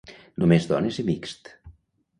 Només dones i mixt.